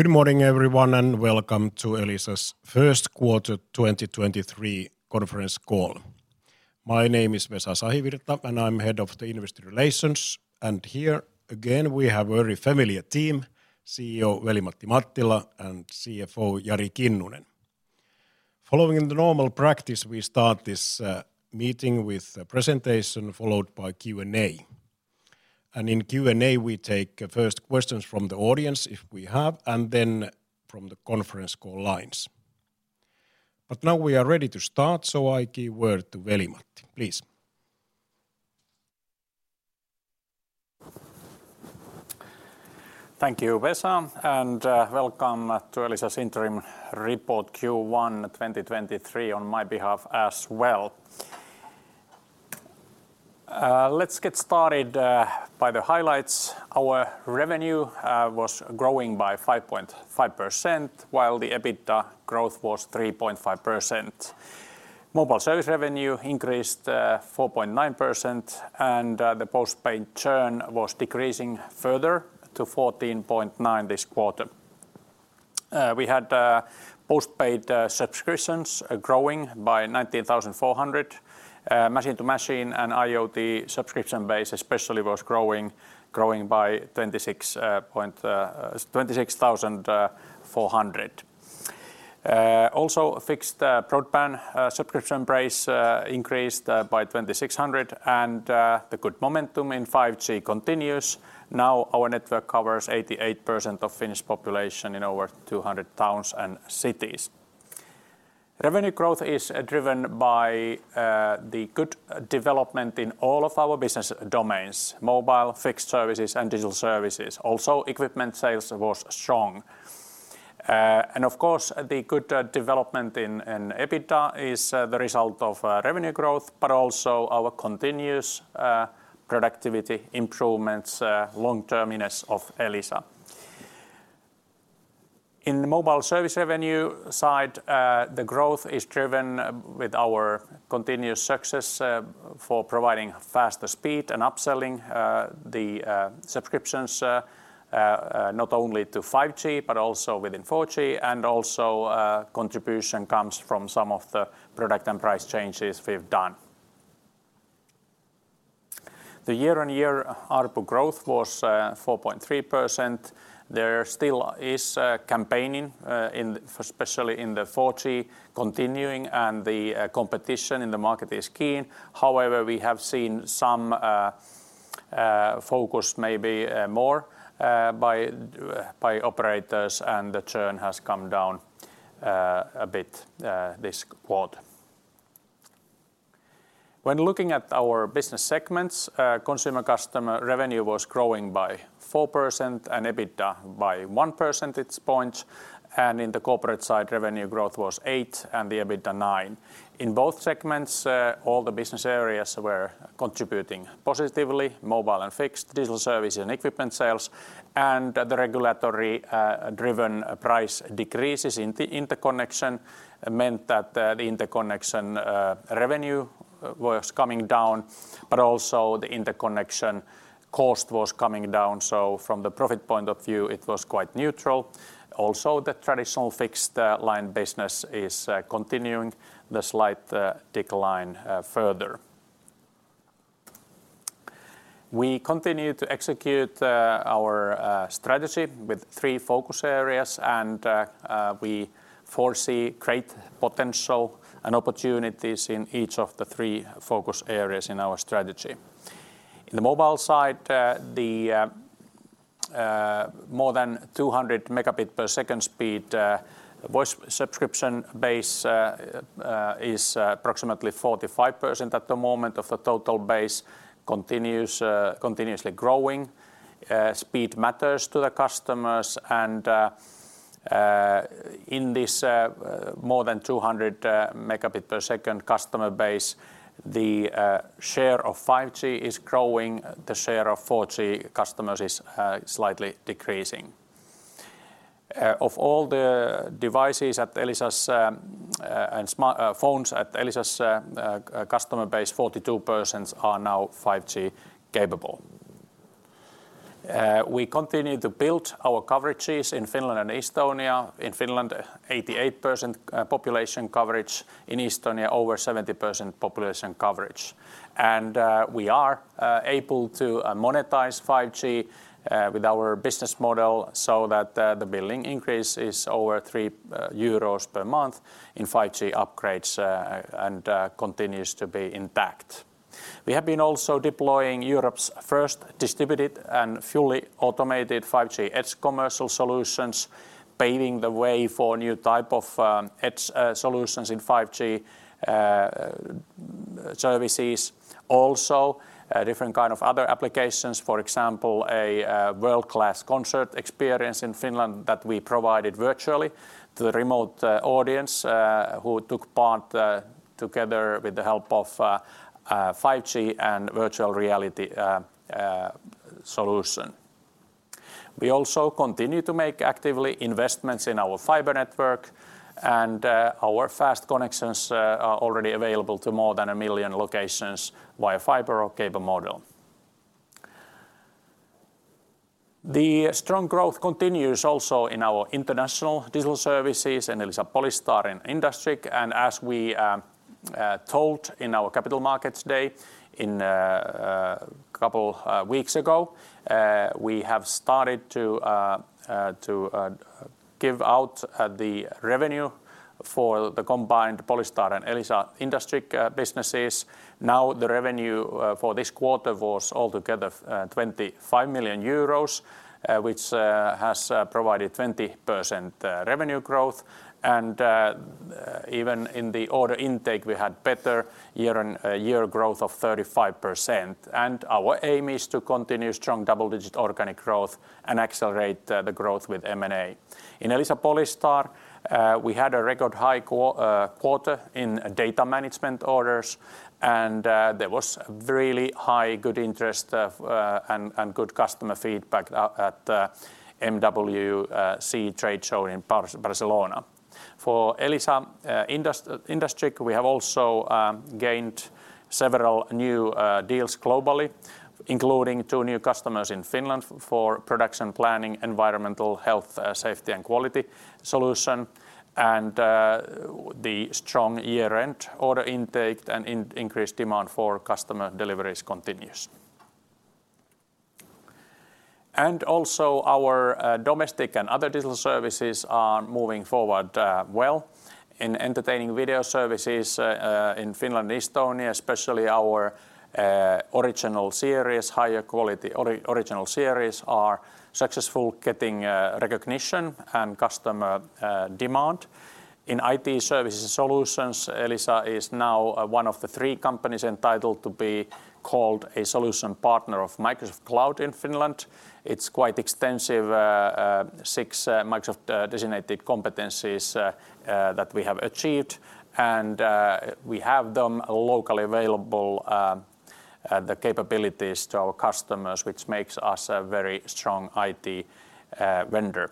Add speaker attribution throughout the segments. Speaker 1: Good morning everyone, and welcome to Elisa's First Quarter 2023 Conference Call. My name is Vesa Sahivirta, and I'm Head of the Industry Relations. Here again, we have very familiar team, Chief Executive Officer Veli-Matti Mattila and Chief Financial Officer Jari Kinnunen. Following the normal practice, we start this meeting with a presentation, followed by Q&A. In Q&A we take first questions from the audience, if we have, and then from the conference call lines. Now we are ready to start, so I give word to Veli-Matti, please.
Speaker 2: Thank you, Vesa, welcome to Elisa's interim report Q1 2023 on my behalf as well. Let's get started by the highlights. Our revenue was growing by 5.5%, while the EBITDA growth was 3.5%. Mobile service revenue increased 4.9%, the post-paid churn was decreasing further to 14.9% this quarter. We had post-paid subscriptions growing by 19,400. Machine to machine and IoT subscription base especially was growing by 26,400. Also fixed broadband subscription base increased by 2,600, the good momentum in 5G continues. Now our network covers 88% of Finnish population in over 200 towns and cities. Revenue growth is driven by the good development in all of our business domains: mobile, fixed services, and digital services. Also, equipment sales was strong. Of course, the good development in EBITDA is the result of revenue growth, but also our continuous productivity improvements, long-terminess of Elisa. In the mobile service revenue side, the growth is driven with our continuous success for providing faster speed and upselling the subscriptions not only to 5G but also within 4G. Also a contribution comes from some of the product and price changes we've done. The year-on-year ARPU growth was 4.3%. There still is a campaigning in, especially in the 4G continuing, and the competition in the market is keen. However, we have seen some focus maybe more by operators and the churn has come down a bit this quarter. When looking at our business segments, consumer customer revenue was growing by 4% and EBITDA by 1 percentage point. In the corporate side, revenue growth was eight and the EBITDA nine. In both segments, all the business areas were contributing positively, mobile and fixed digital service and equipment sales. The regulatory driven price decreases in the interconnection meant that the interconnection revenue was coming down, but also the interconnection cost was coming down. From the profit point of view, it was quite neutral. The traditional fixed line business is continuing the slight decline further. We continue to execute our strategy with three focus areas, and we foresee great potential and opportunities in each of the three focus areas in our strategy. In the mobile side, the more than 200 Mbps speed voice subscription base is approximately 45% at the moment of the total base. Continues continuously growing. Speed matters to the customers and in this more than 200 Mbps customer base, the share of 5G is growing, the share of 4G customers is slightly decreasing. Of all the devices at Elisa's and smart phones at Elisa's customer base, 42% are now 5G capable. We continue to build our coverages in Finland and Estonia. In Finland, 88% population coverage. In Estonia, over 70% population coverage. We are able to monetize 5G with our business model so that the billing increase is over 3 euros per month in 5G upgrades and continues to be intact. We have been also deploying Europe's first distributed and fully automated 5G edge commercial solutions, paving the way for a new type of edge solutions in 5G services. Also, a different kind of other applications. For example, a world-class concert experience in Finland that we provided virtually to the remote audience who took part together with the help of 5G and virtual reality solution. o make actively investments in our fiber network, and our fast connections are already available to more than 1 million locations via fiber or cable model. The strong growth continues also in our international digital services in Elisa Polystar and Elisa Industriq. As we told in our capital markets day in a couple weeks ago, we have started to give out the revenue for the combined Polystar and Elisa Industriq businesses. Now, the revenue for this quarter was altogether 25 million euros, which has provided 20% revenue growth. Even in the order intake, we had better year-over-year growth of 35%. Our aim is to continue strong double-digit organic growth and accelerate the growth with M&A. In Elisa Polystar, we had a record high quarter in data management orders, and there was really high good interest of and good customer feedback at MWC trade show in Barcelona. For Elisa Industriq, we have also gained several new deals globally, including two new customers in Finland for production planning, environmental health, safety and quality solution, and the strong year-end order intake and increased demand for customer deliveries continues. Also our domestic and other digital services are moving forward well. In entertaining video services, in Finland and Estonia, especially our original series, higher quality original series are successful getting recognition and customer demand. In IT services solutions, Elisa is now one of the three companies entitled to be called a solution partner of Microsoft Cloud in Finland. It's quite extensive, six Microsoft designated competencies that we have achieved. We have them locally available, the capabilities to our customers, which makes us a very strong IT vendor.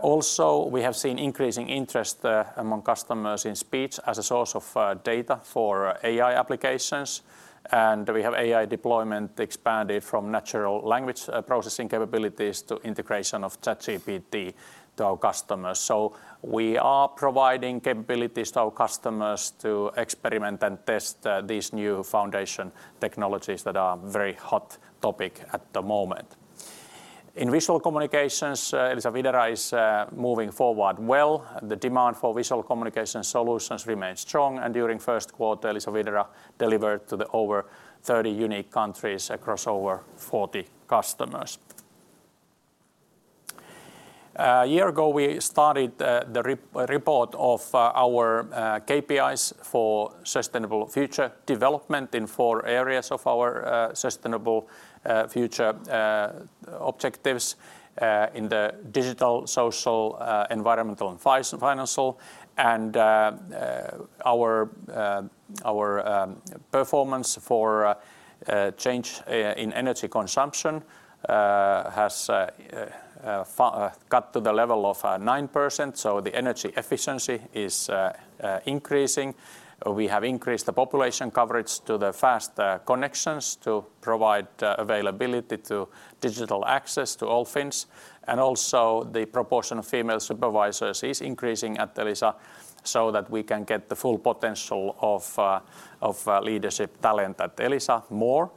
Speaker 2: Also, we have seen increasing interest among customers in speech as a source of data for AI applications. We have AI deployment expanded from natural language processing capabilities to integration of ChatGPT to our customers. We are providing capabilities to our customers to experiment and test these new foundation technologies that are very hot topic at the moment. In visual communications, Elisa Videra is moving forward well. The demand for visual communication solutions remains strong. During first quarter, Elisa Videra delivered to the over 30 unique countries across over 40 customers. A year ago, we started the report of our KPIs for sustainable future development in four areas of our sustainable future objectives in the digital, social, environmental and financial. Our performance for change in energy consumption has got to the level of 9%, so the energy efficiency is increasing. We have increased the population coverage to the fast connections to provide availability to digital access to all Finns. Also the proportion of female supervisors is increasing at Elisa, so that we can get the full potential of leadership talent at Elisa more.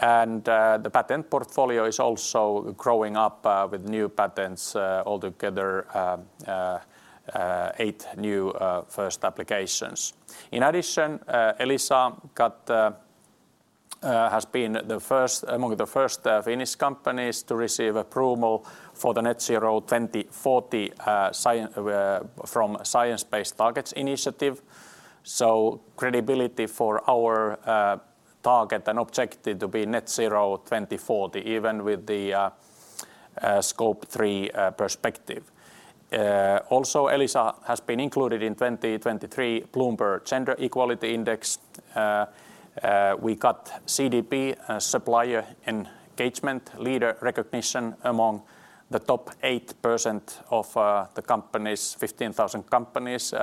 Speaker 2: The patent portfolio is also growing up with new patents altogether, eight new first applications. Elisa has been the first among the first Finnish companies to receive approval for the Net-Zero 2040 from Science Based Targets initiative. Credibility for our target and objective to be Net-Zero 2040, even with the Scope 3 perspective. Also Elisa has been included in 2023 Bloomberg Gender-Equality Index. We got CDP Supplier Engagement Leader recognition among the top 8% of the companies, 15,000 companies,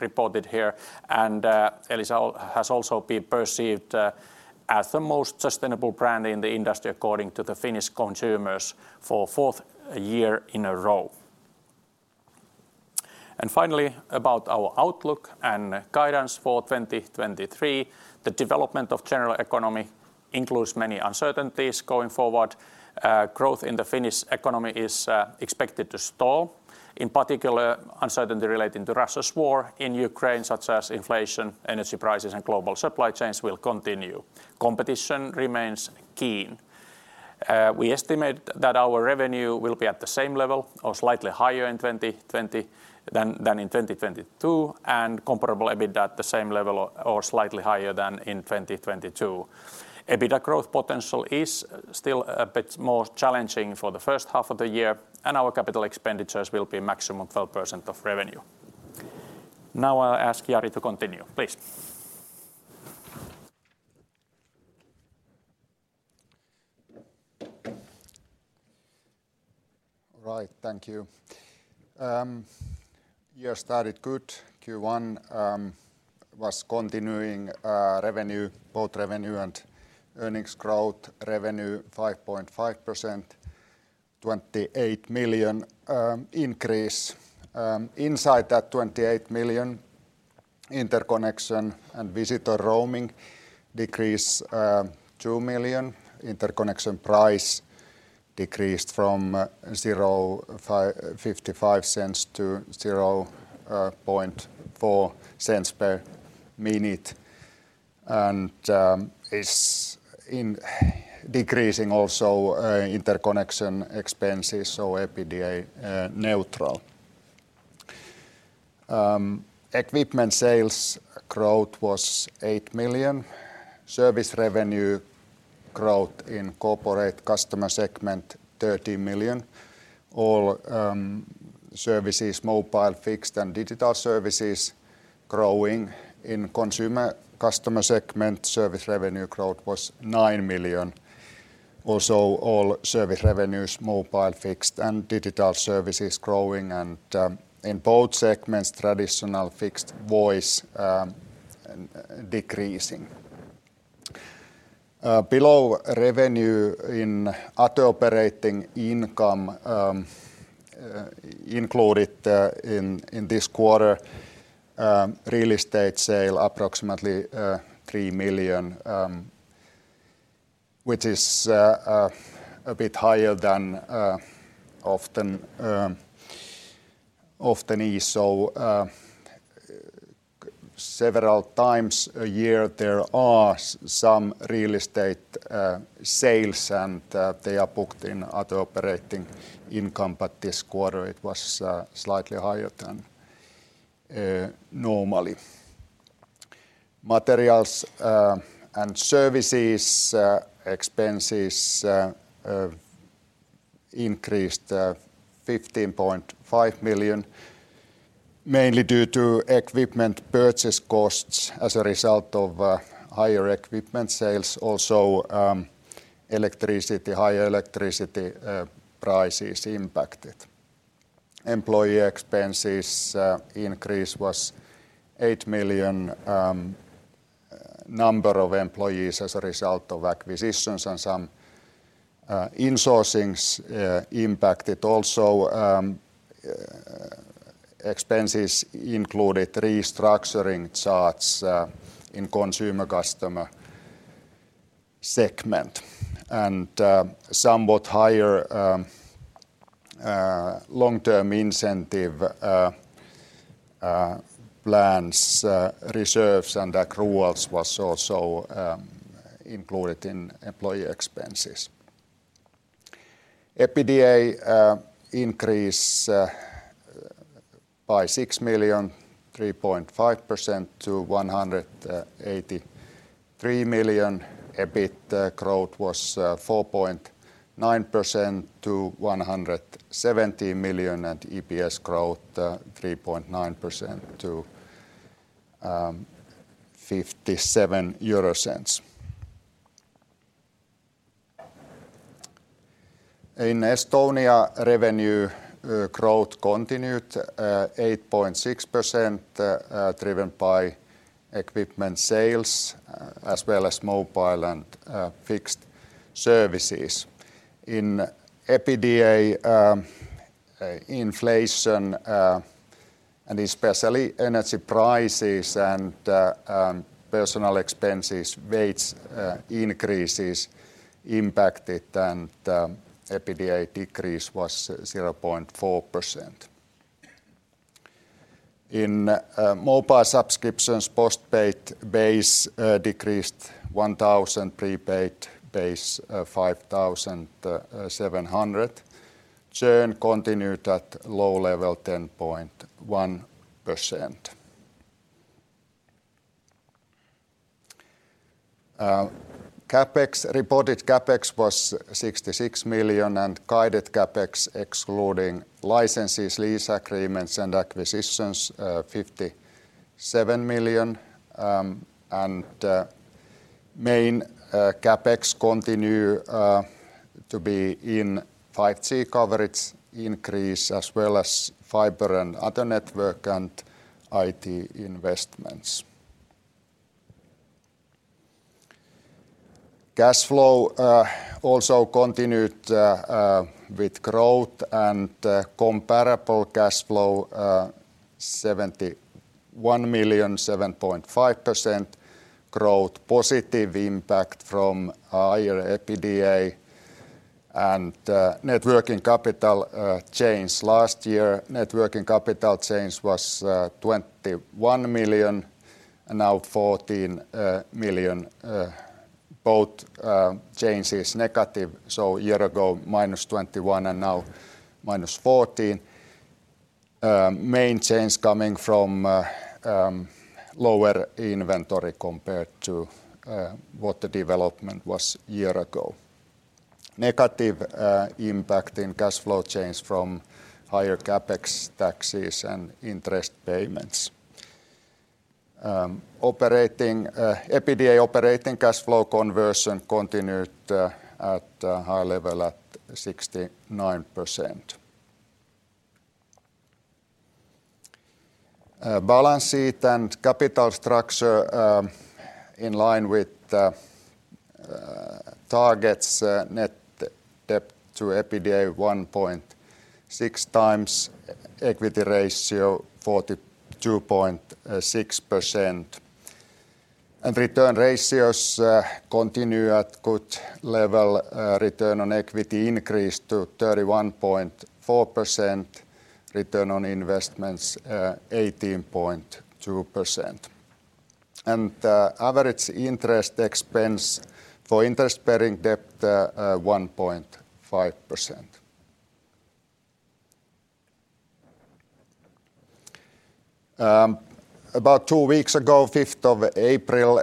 Speaker 2: reported here. Elisa has also been perceived as the most sustainable brand in the industry according to the Finnish consumers for fourth year in a row. Finally, about our outlook and guidance for 2023. The development of general economy includes many uncertainties going forward. Growth in the Finnish economy is expected to stall. In particular, uncertainty relating to Russia's war in Ukraine, such as inflation, energy prices, and global supply chains will continue. Competition remains keen. We estimate that our revenue will be at the same level or slightly higher in 2020 than in 2022, and comparable EBIT at the same level or slightly higher than in 2022. EBITA growth potential is still a bit more challenging for the first half of the year, and our capital expenditures will be maximum 12% of revenue. Now I'll ask Jari to continue. Please.
Speaker 3: All right, thank you. year started good. Q1 was continuing revenue, both revenue and earnings growth. Revenue 5.5%, 28 million increase. Inside that 28 million, interconnection and visitor roaming decrease 2 million. Interconnection price decreased from 0.0055-0.004 per minute and is in decreasing also interconnection expenses, so EBITDA neutral. Equipment sales growth was 8 million. Service revenue growth in corporate customer segment, 13 million. All services, mobile, fixed, and digital services growing. In consumer customer segment, service revenue growth was 9 million. Also all service revenues, mobile, fixed, and digital services growing and in both segments, traditional fixed voice decreasing. Below revenue in other operating income, included in this quarter, real estate sale approximately 3 million, which is a bit higher than often often is. Several times a year there are some real estate sales and they are booked in other operating income, but this quarter it was slightly higher than normally. Materials and services expenses increased 15.5 million, mainly due to equipment purchase costs as a result of higher equipment sales. Also, electricity, high electricity prices impacted. Employee expenses increase was 8 million. Number of employees as a result of acquisitions and some insourcings impacted also. Expenses included restructuring charts in consumer customer segment. Somewhat higher long-term incentive plans, reserves and accruals was also included in employee expenses. EBITDA increase by 6 million, 3.5% to 183 million. EBIT growth was 4.9% to 170 million, and EPS growth 3.9% to 0.57. In Estonia, revenue growth continued 8.6%, driven by equipment sales as well as mobile and fixed services. In EBITDA, inflation and especially energy prices and personal expenses, wage increases impacted and EBITDA decrease was 0.4%. In mobile subscriptions, post-paid base decreased 1,000, prepaid base 5,700. Churn continued at low level, 10.1%. CapEx, reported CapEx was 66 million, and guided CapEx excluding licenses, lease agreements, and acquisitions, 57 million. Main CapEx continue to be in 5G coverage increase as well as fiber and other network and IT investments. Cash flow also continued with growth and comparable cash flow, 71 million, 7.5% growth, positive impact from higher EBITDA and net working capital change. Last year, net working capital change was 21 million, now 14 million. Both changes negative, so a year ago, -21, and now -14. Main change coming from lower inventory compared to what the development was a year ago. Negative impact in cash flow change from higher CapEx taxes and interest payments. Operating EBITDA operating cash flow conversion continued at a high level at 69%. Balance sheet and capital structure in line with the targets net debt to EBITDA 1.6x, equity ratio 42.6%. Return ratios continue at good level. Return on equity increased to 31.4%. Return on investment 18.2%. Average interest expense for interest-bearing debt at 1.5%. About two weeks ago, 5th of April,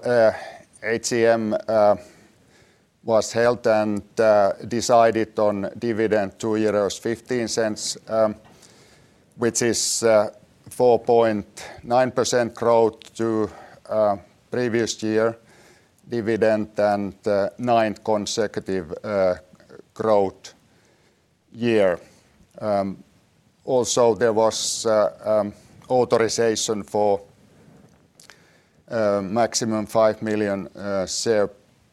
Speaker 3: AGM was held and decided on dividend 2.15 euros, which is 4.9% growth to previous year dividend and ninth consecutive growth year. There was authorization for maximum 5 million share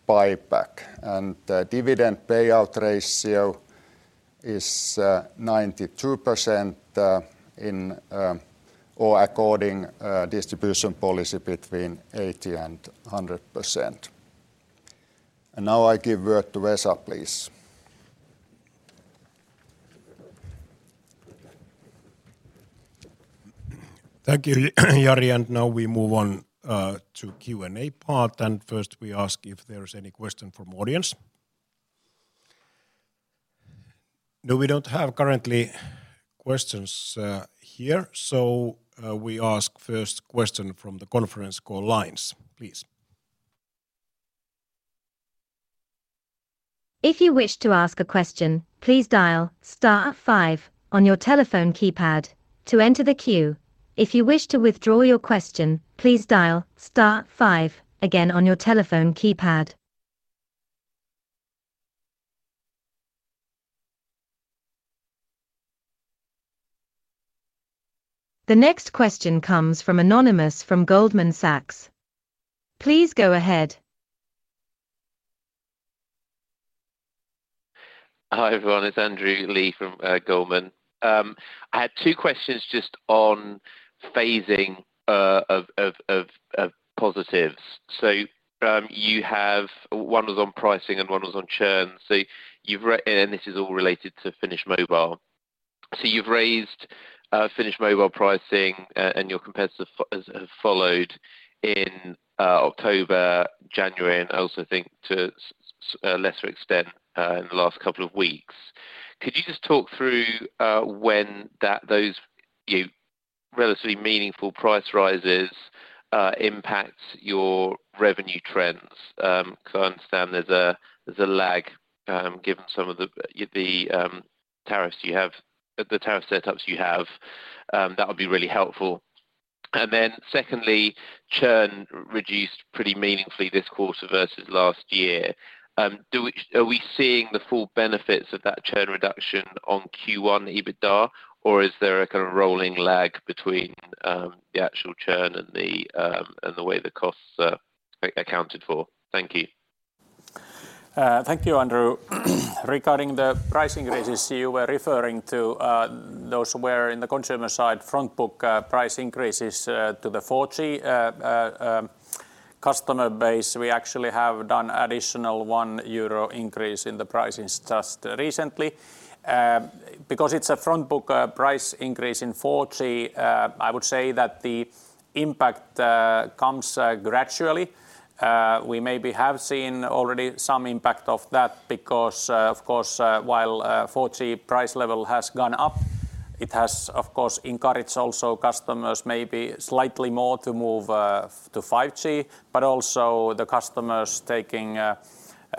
Speaker 3: buyback. The dividend payout ratio is 92%, in or according distribution policy between 80% and 100%. Now I give word to Vesa, please.
Speaker 1: Thank you, Jari. Now we move on to Q&A part. First we ask if there is any question from audience. No, we don't have currently questions here. We ask first question from the conference call lines, please.
Speaker 4: If you wish to ask a question, please dial star five on your telephone keypad to enter the queue. If you wish to withdraw your question, please dial star five again on your telephone keypad. The next question comes from Anonymous from Goldman Sachs. Please go ahead.
Speaker 5: Hi, everyone. It's Andrew Lee from Goldman. I had two questions just on phasing of positives. One was on pricing and one was on churn. This is all related to Finnish mobile. You've raised Finnish mobile pricing, and your competitive has followed in October, January, and I also think to a lesser extent in the last couple of weeks. Could you just talk through when that those, you know, relatively meaningful price rises impacts your revenue trends? 'Cause I understand there's a lag, given some of the tariff setups you have. That would be really helpful. Secondly, churn reduced pretty meaningfully this quarter versus last year. Do we...are we seeing the full benefits of that churn reduction on Q1 EBITDA, or is there a kind of rolling lag between, the actual churn and the, and the way the costs are accounted for? Thank you.
Speaker 2: Thank you, Andrew. Regarding the price increases you were referring to, those were in the consumer side front book, price increases to the 4G customer base. We actually have done additional 1 euro increase in the pricing just recently. Because it's a front book, price increase in 4G, I would say that the impact comes gradually. We maybe have seen already some impact of that because, of course, while 4G price level has gone up, it has, of course, encouraged also customers maybe slightly more to move to 5G, but also the customers taking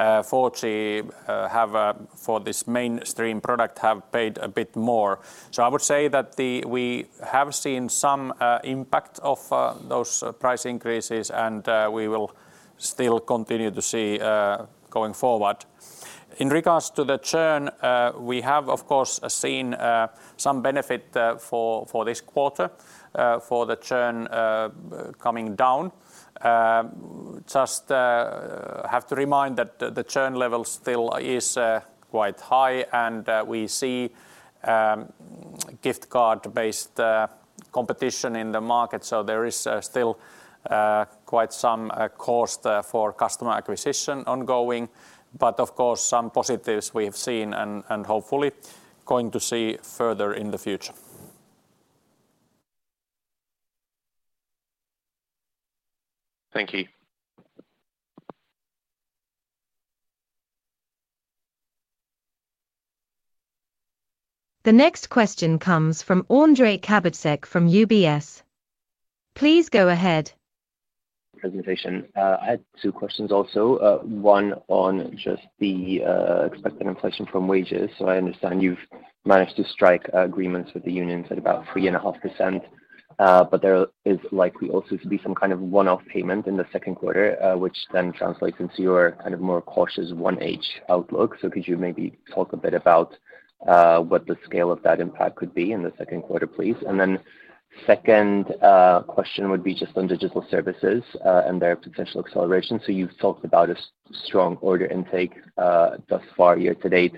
Speaker 2: 4G have for this mainstream product, have paid a bit more. I would say that we have seen some impact of those price increases, and we will still continue to see going forward. In regards to the churn, we have of course seen some benefit for this quarter for the churn coming down. Just have to remind that the churn level still is quite high and we see gift card-based competition in the market, so there is still quite some cost for customer acquisition ongoing. Of course, some positives we have seen and hopefully going to see further in the future.
Speaker 5: Thank you.
Speaker 4: The next question comes from Ondrej Cabejsek from UBS. Please go ahead.
Speaker 6: Presentation. I had two questions also. One on just the expected inflation from wages. I understand you've managed to strike agreements with the unions at about 3.5%, but there is likely also to be some kind of one-off payment in the second quarter, which then translates into your kind of more cautious 1H outlook. Could you maybe talk a bit about what the scale of that impact could be in the second quarter, please? Second question would be just on digital services and their potential acceleration. You've talked about a strong order intake thus far year to date.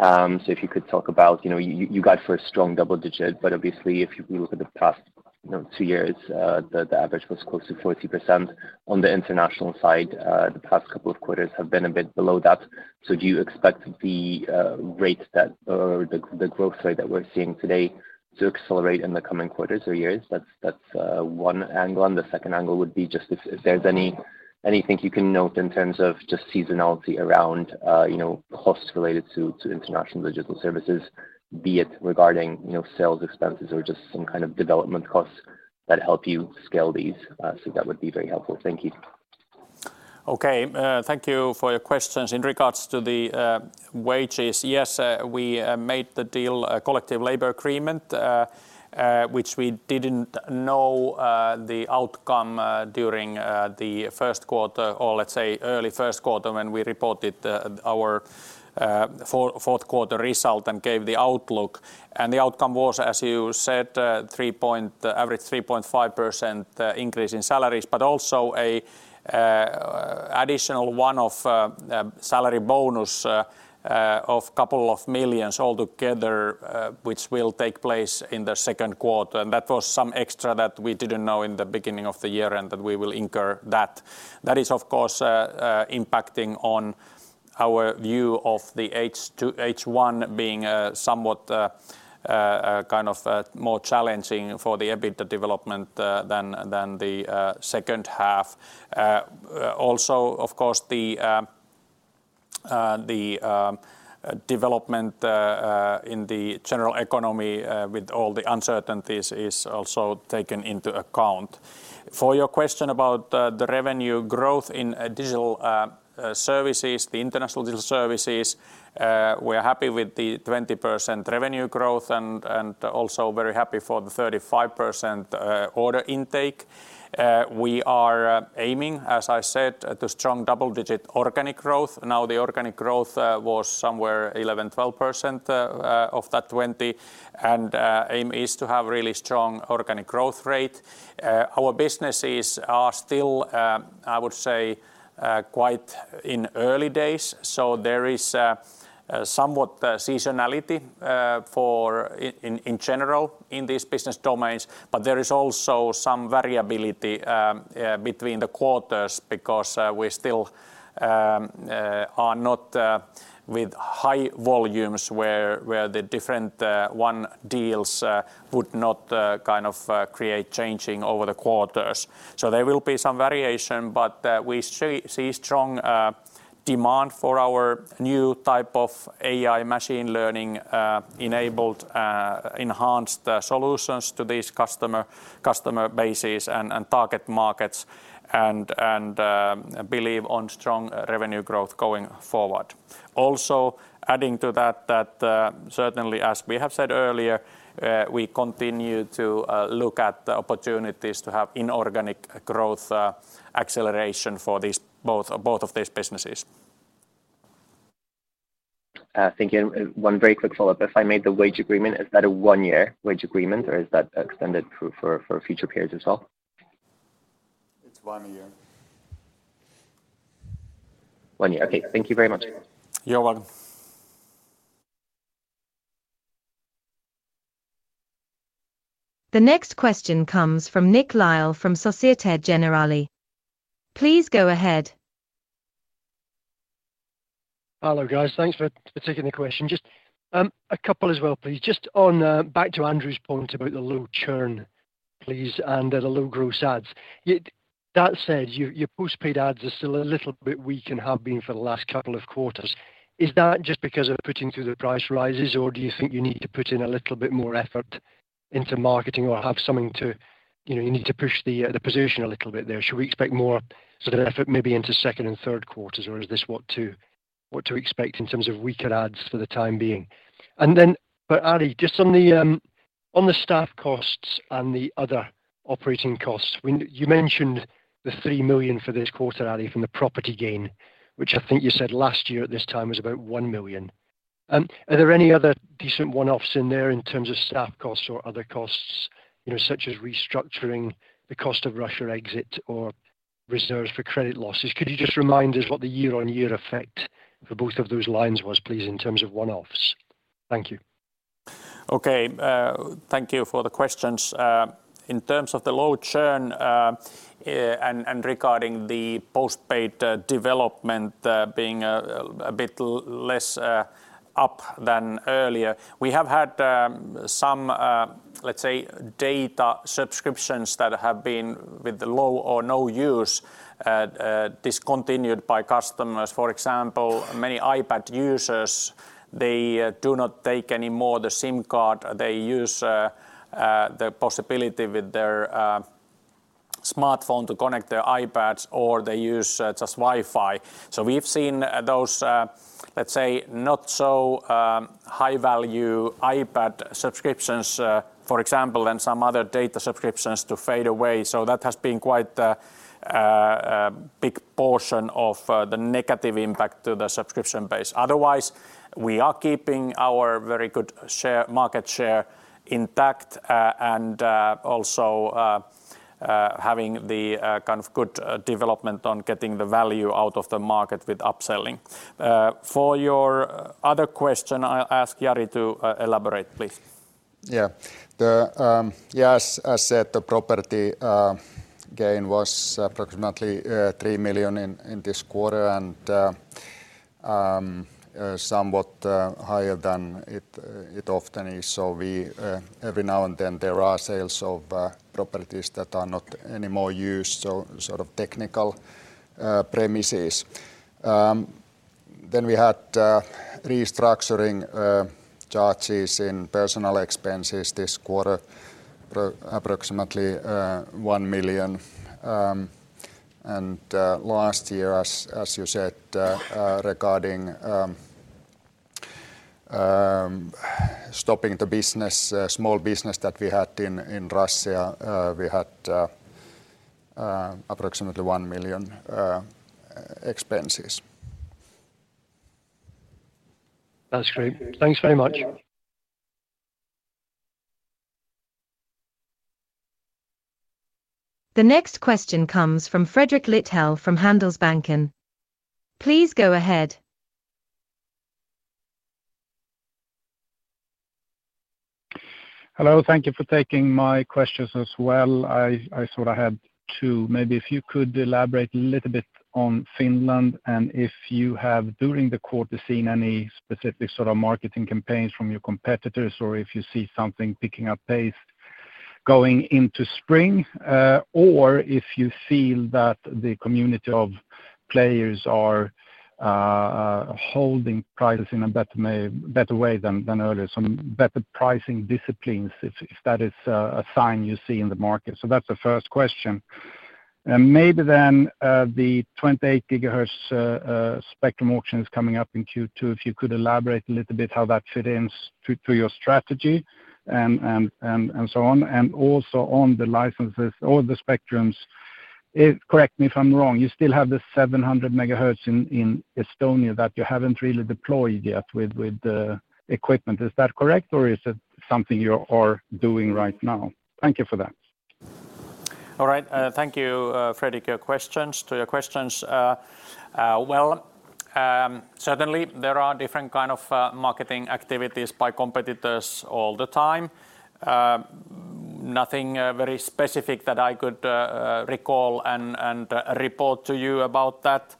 Speaker 6: If you could talk about, you know, you got for a strong double digit, but obviously if you look at the past, you know, two years, the average was close to 40% on the international side. The past couple of quarters have been a bit below that. Do you expect the rate that or the growth, sorry, that we're seeing today to accelerate in the coming quarters or years? That's one angle. The second angle would be just if there's anything you can note in terms of just seasonality around, you know, costs related to international digital services, be it regarding, you know, sales expenses or just some kind of development costs that help you scale these. That would be very helpful. Thank you.
Speaker 2: Okay. Thank you for your questions. In regards to the wages, yes, we made the deal a collective labor agreement, which we didn't know the outcome during the first quarter or let's say early first quarter when we reported our fourth quarter result and gave the outlook. The outcome was, as you said, average 3.5% increase in salaries, but also a additional one of salary bonus of couple of millions altogether, which will take place in the second quarter. That was some extra that we didn't know in the beginning of the year, and that we will incur that. That is, of course, impacting on our view of the H1 being somewhat kind of more challenging for the EBITDA development than the second half. Also, of course, the development in the general economy with all the uncertainties is also taken into account. For your question about the revenue growth in digital services, the international digital services, we're happy with the 20% revenue growth and also very happy for the 35% order intake. We are aiming, as I said, at a strong double-digit organic growth. Now, the organic growth was somewhere 11%, 12% of that 20. Aim is to have really strong organic growth rate. Our businesses are still, I would say, quite in early days, so there is somewhat seasonality in general in these business domains. There is also some variability between the quarters because we still are not with high volumes where the different one deals would not kind of create changing over the quarters. So there will be some variation, but we see strong demand for our new type of AI machine learning enabled enhanced solutions to these customer bases and target markets and believe on strong revenue growth going forward. Also adding to that, certainly, as we have said earlier, we continue to look at the opportunities to have inorganic growth acceleration for both of these businesses.
Speaker 6: Thank you. One very quick follow-up. If I made the wage agreement, is that a one-year wage agreement, or is that extended through for future periods as well?
Speaker 2: It's one year.
Speaker 6: One year. Okay. Thank you very much.
Speaker 2: You're welcome.
Speaker 4: The next question comes from Nick Lyall from Société Générale. Please go ahead.
Speaker 7: Hello, guys. Thanks for taking the question. Just a couple as well, please. Just on back to Andrew's point about the low churn, please, and the low gross adds. That said, your postpaid adds are still a little bit weak and have been for the last couple of quarters. Is that just because of pushing through the price rises, or do you think you need to put in a little bit more effort into marketing or have something to, you know, you need to push the position a little bit there? Should we expect more sort of effort maybe into second and third quarters, or is this what to expect in terms of weaker adds for the time being? For Jari, just on the on the staff costs and the other operating costs. You mentioned the 3 million for this quarter, Jari, from the property gain, which I think you said last year at this time was about 1 million. Are there any other decent one-offs in there in terms of staff costs or other costs, you know, such as restructuring the cost of Russia exit or reserves for credit losses? Could you just remind us what the year-on-year effect for both of those lines was, please, in terms of one-offs? Thank you.
Speaker 2: Okay. Thank you for the questions. In terms of the low churn, and regarding the postpaid development, being a bit less up than earlier, we have had some, let's say, data subscriptions that have been with low or no use. Discontinued by customers, for example, many iPad users, they do not take any more the SIM card. They use the possibility with their smartphone to connect their iPads, or they use just Wi-Fi. We've seen those, let's say, not so high-value iPad subscriptions, for example, and some other data subscriptions to fade away. That has been quite a big portion of the negative impact to the subscription base. Otherwise, we are keeping our very good share, market share intact, and also, having the kind of good development on getting the value out of the market with upselling. For your other question, I'll ask Jari to elaborate, please.
Speaker 3: Yeah. The, yes, as said, the property gain was approximately 3 million in this quarter, somewhat higher than it often is. We every now and then, there are sales of properties that are not anymore used, sort of technical premises. We had restructuring charges in personal expenses this quarter, approximately 1 million. Last year, as you said, regarding stopping the business, small business that we had in Russia, we had approximately EUR 1 million expenses.
Speaker 7: That's great. Thanks very much.
Speaker 4: The next question comes from Fredrik Lithell from Handelsbanken. Please go ahead.
Speaker 8: Hello. Thank you for taking my questions as well. I sort of had two. Maybe if you could elaborate a little bit on Finland and if you have, during the quarter, seen any specific sort of marketing campaigns from your competitors or if you see something picking up pace going into spring. Or if you feel that the community of players are holding prices in a better way than earlier, some better pricing disciplines if that is a sign you see in the market. That's the first question. Maybe then the 28 GHz spectrum auction is coming up in Q2. If you could elaborate a little bit how that fit in to your strategy and so on. Also on the licenses or the spectrums, correct me if I'm wrong, you still have the 700 MHz in Estonia that you haven't really deployed yet with the equipment. Is that correct, or is it something you are doing right now? Thank you for that.
Speaker 2: All right. Thank you, Fredrik, your questions, to your questions. Well, certainly there are different kind of marketing activities by competitors all the time. Nothing very specific that I could recall and report to you about that.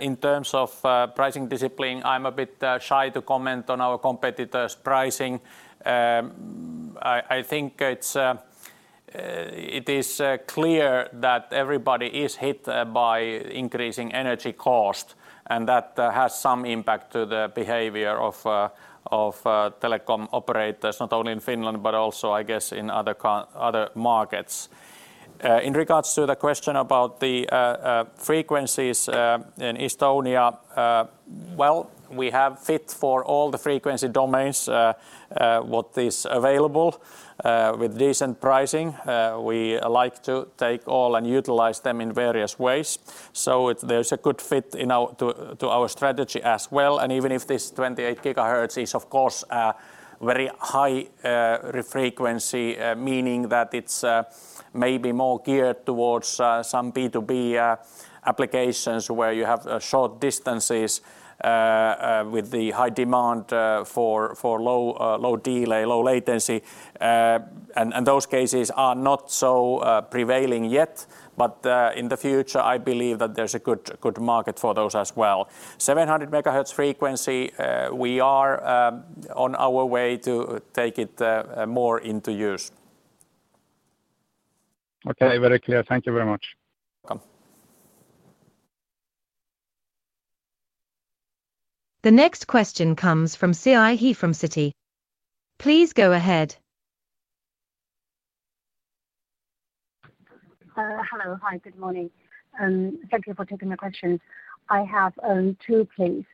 Speaker 2: In terms of pricing discipline, I'm a bit shy to comment on our competitors' pricing. I think it's clear that everybody is hit by increasing energy cost, and that has some impact to the behavior of telecom operators, not only in Finland, but also, I guess, in other markets. In regards to the question about the frequencies in Estonia, well, we have fit for all the frequency domains, what is available, with decent pricing. We like to take all and utilize them in various ways. There's a good fit in our strategy as well. Even if this 28 GHz is of course a very high re-frequency, meaning that it's maybe more geared towards some B2B applications where you have short distances with the high demand for low delay, low latency. Those cases are not so prevailing yet. In the future, I believe that there's a good market for those as well. 700 MHz frequency, we are on our way to take it more into use.
Speaker 8: Okay. Very clear. Thank you very much.
Speaker 2: Welcome.
Speaker 4: The next question comes from Siyi He from Citi. Please go ahead.
Speaker 9: Hello. Hi, good morning, thank you for taking the question. I have two, please.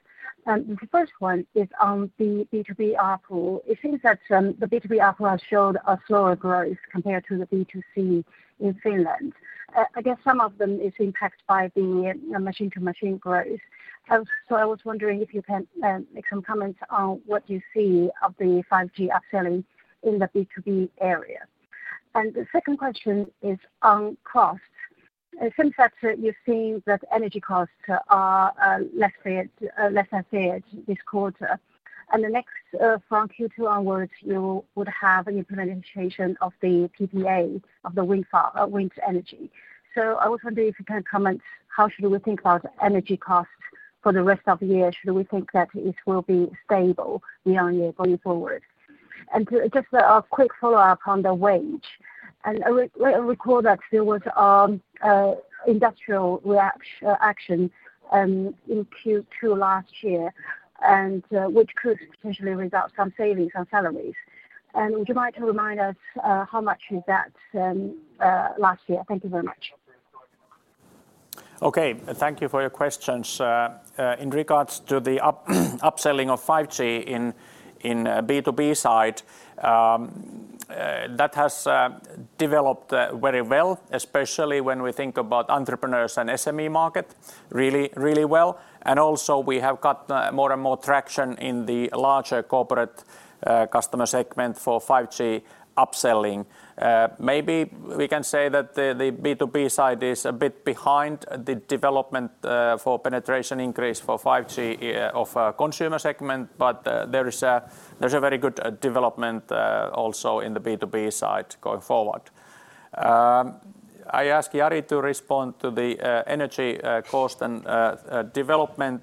Speaker 9: The first one is on the B2B ARPU. It seems that the B2B ARPU has showed a slower growth compared to the B2C in Finland. I guess some of them is impacted by the machine-to-machine growth. So I was wondering if you can make some comments on what you see of the 5G upselling in the B2B area. The second question is on cost. It seems that you're seeing that energy costs are less feared, less than feared this quarter. The next, from Q2 onwards, you would have an implementation of the PPA of the wind energy. So I was wondering if you can comment how should we think about energy costs for the rest of the year. Should we think that it will be stable year-over-year going forward? To just a quick follow-up on the wage. I recall that there was industrial action in Q2 last year, which could potentially result some savings on salaries. Would you mind to remind us how much is that last year? Thank you very much.
Speaker 2: Okay. Thank you for your questions. In regards to the upselling of 5G in B2B side, that has developed very well, especially when we think about entrepreneurs and SME market really well. Also we have got more and more traction in the larger corporate customer segment for 5G upselling. Maybe we can say that the B2B side is a bit behind the development for penetration increase for 5G of consumer segment, but there is a very good development also in the B2B side going forward. I ask Jari to respond to the energy cost and development.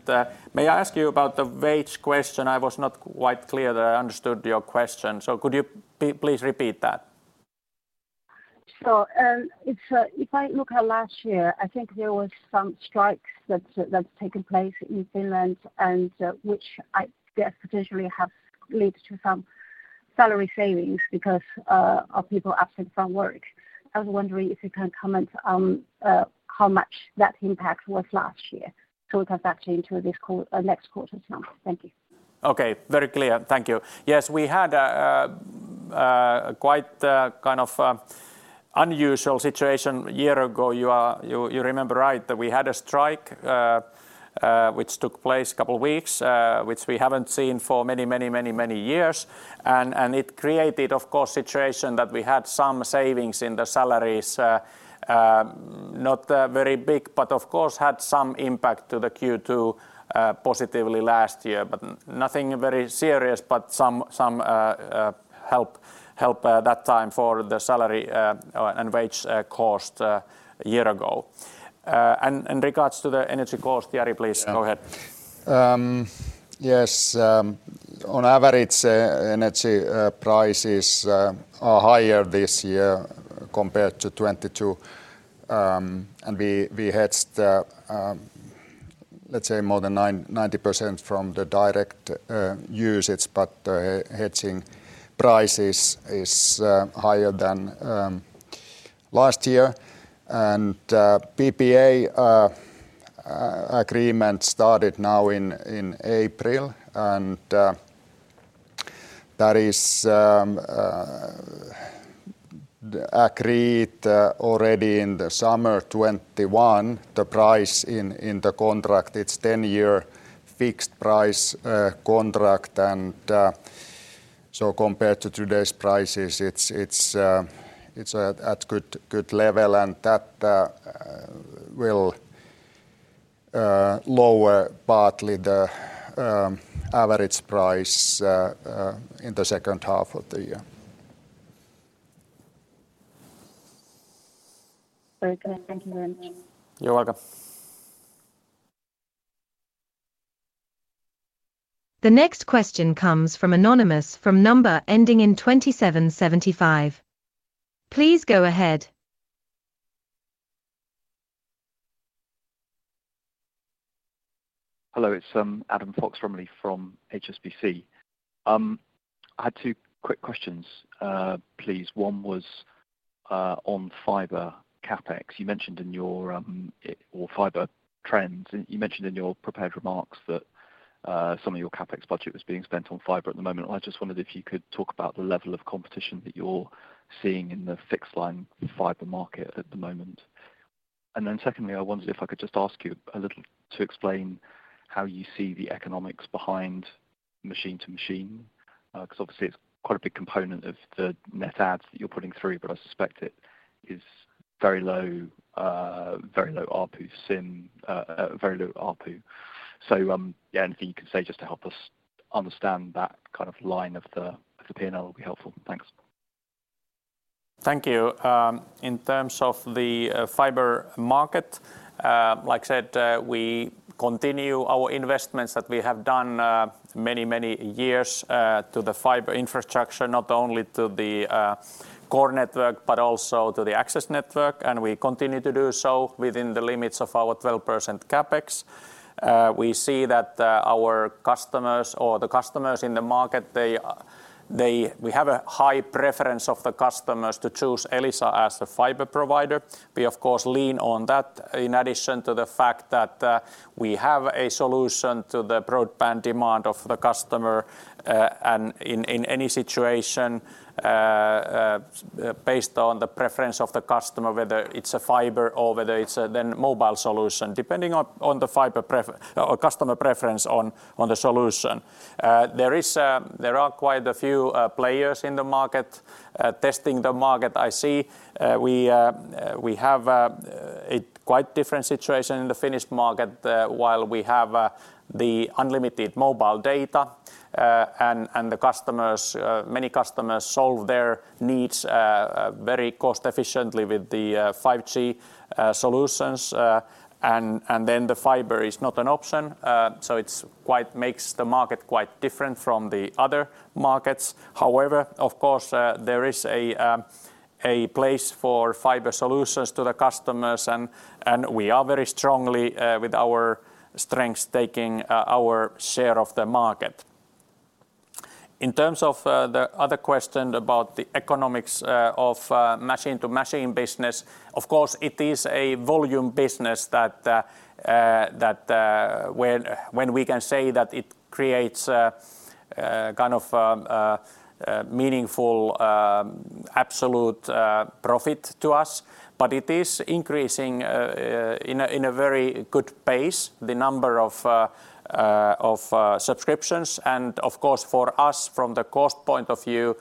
Speaker 2: May I ask you about the wage question? I was not quite clear that I understood your question, so could you please repeat that?
Speaker 9: If I look at last year, I think there was some strikes that's taken place in Finland and, which I guess potentially have led to some salary savings because, of people absent from work. I was wondering if you can comment on how much that impact was last year to have that change for next quarter now? Thank you.
Speaker 2: Okay. Very clear. Thank you. Yes, we had a quite unusual situation a year ago. You remember right that we had a strike, which took place two weeks, which we haven't seen for many years. It created, of course, situation that we had some savings in the salaries. Not very big, but of course, had some impact to the Q2 positively last year, but nothing very serious, but some help that time for the salary and wage cost a year ago. In regards to the energy cost, Jari, please go ahead.
Speaker 3: Yes. On average, energy prices are higher this year compared to 2022. We hedged, let's say, more than 90% from the direct usage, hedging prices is higher than last year. PPA agreement started now in April, that is agreed already in the summer 2021. The price in the contract, it's 10-year fixed price contract. Compared to today's prices it's at good level, that will lower partly the average price in the second half of the year.
Speaker 9: Very clear. Thank you very much.
Speaker 2: You're welcome.
Speaker 4: The next question comes from Anonymous from number ending in 2775. Please go ahead.
Speaker 10: Hello, it's Adam Fox-Rumley from HSBC. I had two quick questions, please. One was on fiber CapEx. You mentioned in your or fiber trends, you mentioned in your prepared remarks that some of your CapEx budget was being spent on fiber at the moment. I just wondered if you could talk about the level of competition that you're seeing in the fixed line fiber market at the moment. Then secondly, I wondered if I could just ask you a little to explain how you see the economics behind machine to machine. Because obviously it's quite a big component of the net adds that you're putting through, but I suspect it is very low, very low ARPU SIM, very low ARPU. Yeah, anything you can say just to help us understand that kind of line of the, of the P&L will be helpful. Thanks.
Speaker 2: Thank you. In terms of the fiber market, like I said, we continue our investments that we have done many, many years to the fiber infrastructure, not only to the core network, but also to the access network. We continue to do so within the limits of our 12% CapEx. We see that our customers or the customers in the market, we have a high preference of the customers to choose Elisa as the fiber provider. We of course lean on that in addition to the fact that we have a solution to the broadband demand of the customer. In any situation, based on the preference of the customer, whether it's a fiber or whether it's a then mobile solution, depending on the fiber or customer preference on the solution. There is, there are quite a few players in the market, testing the market. I see, we have a quite different situation in the Finnish market, while we have the unlimited mobile data, and the customers, many customers solve their needs very cost efficiently with the 5G solutions. Then the fiber is not an option. It makes the market quite different from the other markets. However, of course, there is a place for fiber solutions to the customers and we are very strongly with our strengths taking our share of the market. In terms of the other question about the economics of machine-to-machine business, of course, it is a volume business that when we can say that it creates a kind of meaningful absolute profit to us. It is increasing in a very good pace the number of subscriptions. Of course for us from the cost point of view,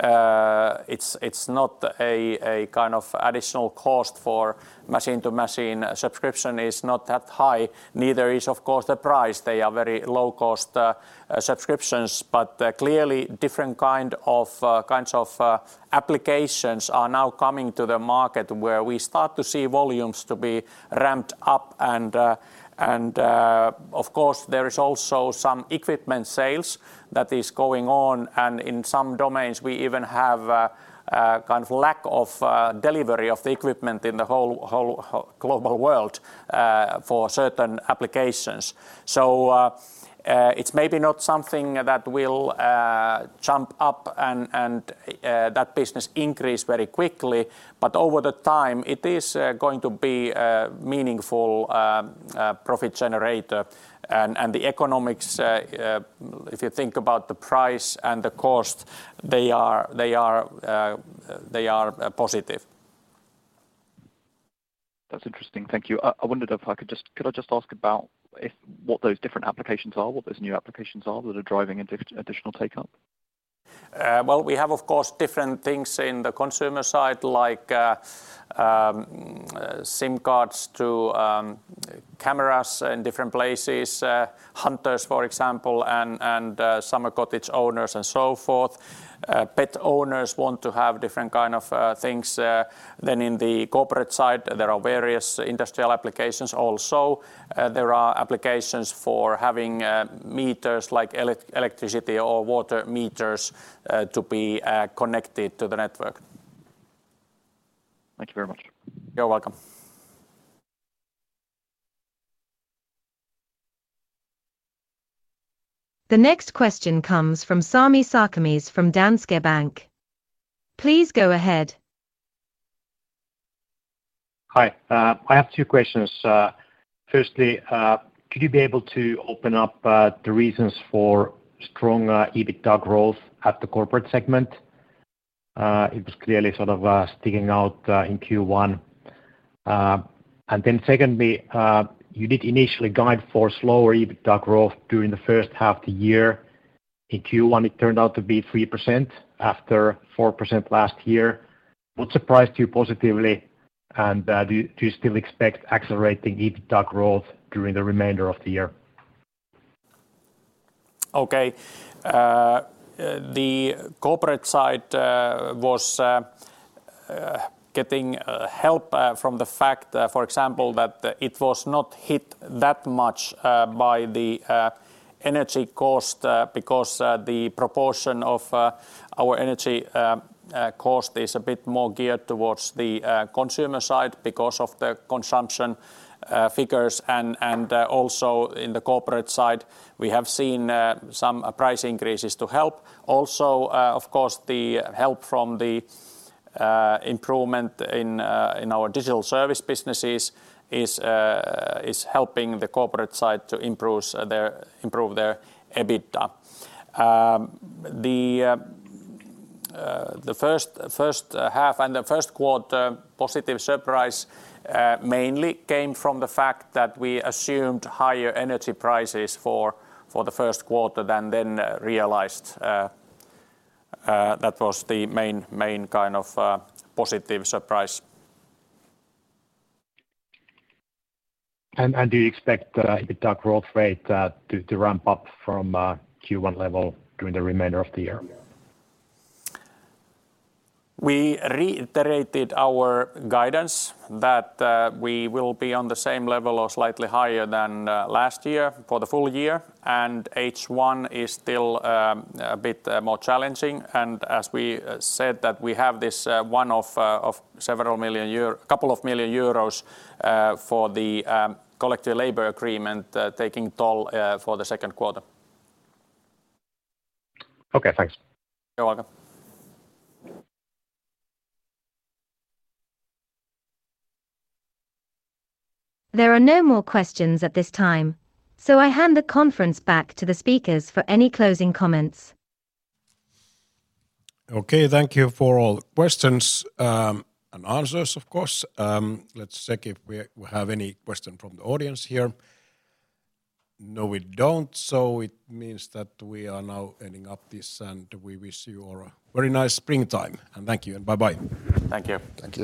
Speaker 2: it's not a kind of additional cost for machine-to-machine. Subscription is not that high, neither is of course the price. They are very low cost subscriptions. Clearly different kind of kinds of applications are now coming to the market where we start to see volumes to be ramped up and and of course there is also some equipment sales that is going on. In some domains we even have a kind of lack of delivery of the equipment in the whole global world for certain applications. It's maybe not something that will jump up and and that business increase very quickly, but over the time it is going to be a meaningful profit generator. The economics if you think about the price and the cost, they are they are positive.
Speaker 10: That's interesting. Thank you. Could I just ask about if, what those different applications are, what those new applications are that are driving additional take-up?
Speaker 2: We have of course different things in the consumer side like SIM cards to cameras in different places, hunters for example, and summer cottage owners and so forth. Pet owners want to have different kind of things. In the corporate side there are various industrial applications also. There are applications for having meters like electricity or water meters to be connected to the network.
Speaker 10: Thank you very much.
Speaker 2: You're welcome.
Speaker 4: The next question comes from Sami Sarkamies from Danske Bank. Please go ahead.
Speaker 11: Hi. I have two questions. Firstly, could you be able to open up the reasons for strong EBITDA growth at the corporate segment? It was clearly sort of sticking out in Q1. Secondly, you did initially guide for slower EBITDA growth during the first half of the year. In Q1 it turned out to be 3% after 4% last year. What surprised you positively, and do you still expect accelerating EBITDA growth during the remainder of the year?
Speaker 2: Okay. The corporate side was getting help from the fact, for example, that it was not hit that much by the energy cost, because the proportion of our energy cost is a bit more geared towards the consumer side because of the consumption figures. Also, in the corporate side we have seen some price increases to help. Also, of course, the help from the improvement in our digital service businesses is helping the corporate side to improve their EBITDA. The first half and the first quarter positive surprise mainly came from the fact that we assumed higher energy prices for the first quarter than then realized. That was the main kind of, positive surprise.
Speaker 11: Do you expect EBITDA growth rate to ramp up from Q1 level during the remainder of the year?
Speaker 2: We reiterated our guidance that we will be on the same level or slightly higher than last year for the full year, and H1 is still a bit more challenging. As we said that we have this couple of million EUR for the collective labor agreement taking toll for the second quarter.
Speaker 11: Okay, thanks.
Speaker 2: You're welcome.
Speaker 4: There are no more questions at this time, so I hand the conference back to the speakers for any closing comments.
Speaker 1: Okay, thank you for all the questions, and answers of course. Let's check if we have any question from the audience here. No, we don't, so it means that we are now ending up this and we wish you all a very nice springtime. Thank you and bye-bye.
Speaker 2: Thank you.
Speaker 1: Thank you.